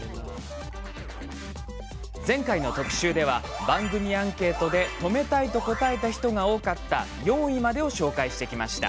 前回の特集では番組アンケートで止めたいと答えた人が多かった４位までを紹介してきました。